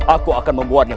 aku akan membuatnya